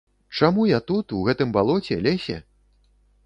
Чаму я тут, у гэтым балоце, лесе?